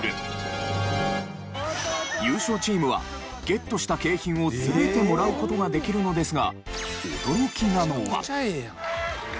優勝チームはゲットした景品を全てもらう事ができるのですが。